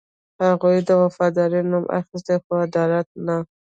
هغوی د وفادارۍ نوم اخیسته، خو عدالت نه.